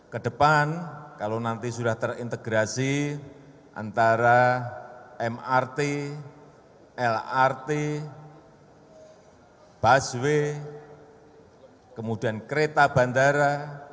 kedepan kalau nanti sudah terintegrasi antara mrt lrt busway kemudian kereta bandara